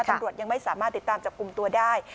ตำรวจยังไม่สามารถติดตามจับกลุ่มตัวได้